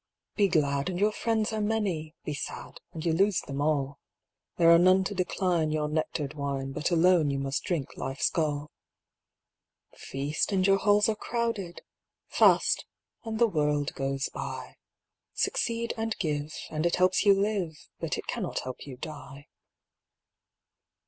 Be glad, and your friends are many; Be sad, and you lose them all; There are none to decline Your nectared wine, But alone you must drink life's gall. Feast, and your halls are crowded; Fast, and the world goes by; Succeed and give, And it helps you live, But it cannot help you die.